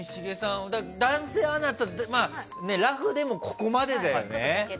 男性アナってラフでもここまでだよね。